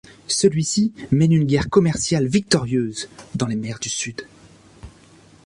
Celui-ci mène une guerre commerciale victorieuse dans les mers du Sud.